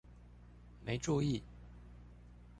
沒注意！